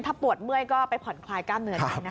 ถ้าปวดเมื่อยก็ไปผ่อนคลายกล้ามเนื้อได้นะคะ